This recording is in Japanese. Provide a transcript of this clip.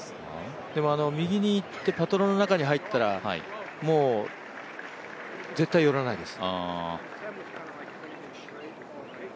右にいってパトロンの中に入ったらもう絶対寄らないです。